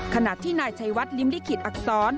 ขณะที่นายชัยวัดลิ้มลิขิตอักษร